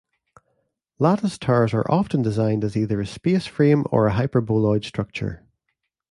Lattice towers are often designed as either a space frame or a hyperboloid structure.